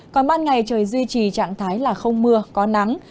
còn ban ngày trời duy trì trạng thái là không mưa có nắng